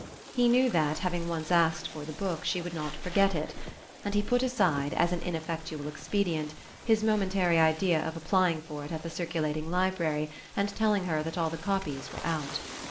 He knew that, having once asked for the book, she would not forget it; and he put aside, as an ineffectual expedient, his momentary idea of applying for it at the circulating library and telling her that all the copies were out.